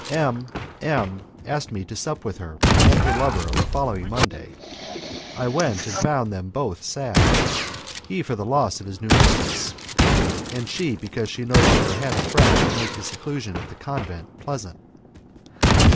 M M asked me to sup with her and her lover on the following Monday. I went and found them both sad he for the loss of his new mistress, and she because she had no longer a friend to make the seclusion of the convent pleasant.